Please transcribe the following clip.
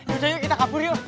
yaudah yuk kita kabur yuk